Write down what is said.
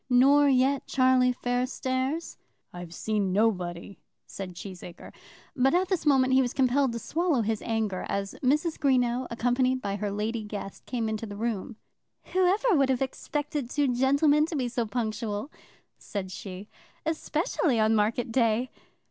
"Nor yet Charlie Fairstairs?" "I've seen nobody," said Cheesacre. But at this moment he was compelled to swallow his anger, as Mrs. Greenow, accompanied by her lady guest, came into the room. "Whoever would have expected two gentlemen to be so punctual," said she, "especially on market day!"